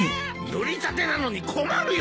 塗りたてなのに困るよ！